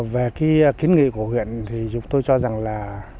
về cái kiến nghị của huyện thì chúng tôi cho rằng là